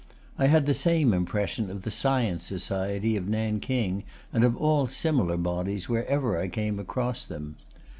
I had the same impression of the Science Society of Nanking, and of all similar bodies wherever I came across them.